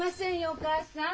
お義母さん。